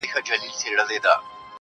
په تورو سترگو کي کمال د زلفو مه راوله.